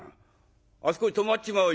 あそこで止まっちまうよ」。